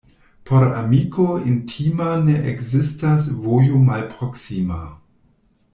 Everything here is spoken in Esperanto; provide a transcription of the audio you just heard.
Por amiko intima ne ekzistas vojo malproksima.